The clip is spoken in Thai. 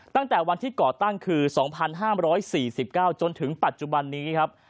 ตั้งแต่วันที่ก่อตั้งคือ๒๕๔๙จนถึงปัจจุบันนี้ครับ